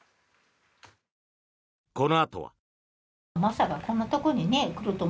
このあとは。